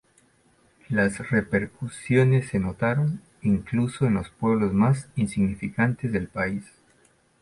Las repercusiones se notaron incluso en los pueblos más insignificantes del país.